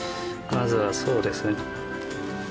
まずはそうですね。